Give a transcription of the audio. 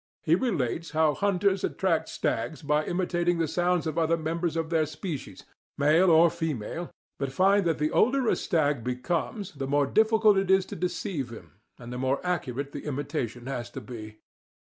He relates how hunters attract stags by imitating the sounds of other members of their species, male or female, but find that the older a stag becomes the more difficult it is to deceive him, and the more accurate the imitation has to be.